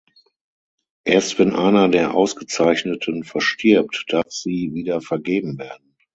Erst wenn einer der Ausgezeichneten verstirbt, darf sie wieder vergeben werden.